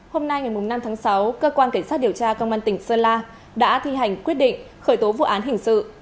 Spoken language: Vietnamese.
hôm nay ngày năm tháng sáu cơ quan cảnh sát điều tra công an tỉnh sơn la đã thi hành quyết định khởi tố vụ án hình sự